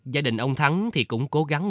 gia đình ông thắng thì cũng cố gắng